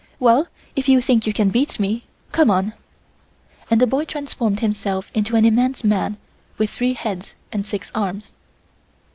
Well, if you think you can beat me, come on," and the boy transformed himself into an immense man with three heads and six arms.